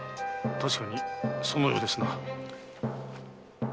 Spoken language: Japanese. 確かにそのようですな。